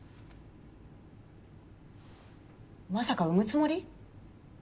まさか産むつもり？